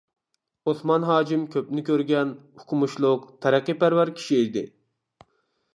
ئوسمان ھاجىم كۆپنى كۆرگەن، ئوقۇمۇشلۇق، تەرەققىيپەرۋەر كىشى ئىدى.